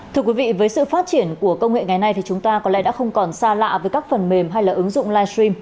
thưa quý vị với sự phát triển của công nghệ ngày nay thì chúng ta có lẽ đã không còn xa lạ với các phần mềm hay là ứng dụng livestream